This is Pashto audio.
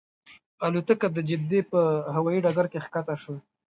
الوتکه د جدې په هوایي ډګر کې ښکته شوه.